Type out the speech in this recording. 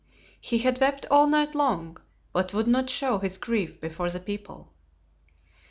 He had wept all night long, but would not show his grief before the people.